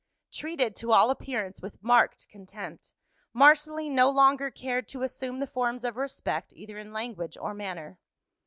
Treated to all appearance with marked contempt, Marceline no longer cared to assume the forms of respect either in language or manner.